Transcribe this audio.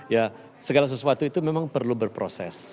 ya segala sesuatu itu memang perlu berproses